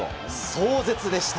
壮絶でした。